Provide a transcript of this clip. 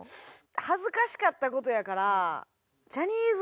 恥ずかしかった事やから。